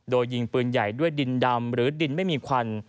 โดยยิงปืนใหญ่ด้วยดินดำหรือดินไม่มีควัน